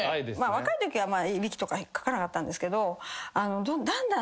若いときはいびきとかかかなかったんですけどだんだん。